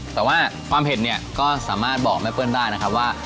แต่ว่าความเผ็ดเนี่ยก็สามารถบอกแม่เปิ้ลได้นะครับว่า